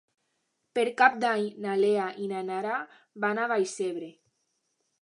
Per Cap d'Any na Lea i na Nara van a Vallcebre.